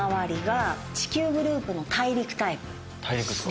大陸っすか？